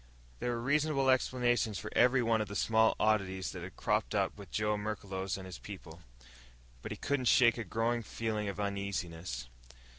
There were reasonable explanations for every one of the small oddities that had cropped up with Joe Merklos and his people. But he couldn't shake a growing feeling of uneasiness.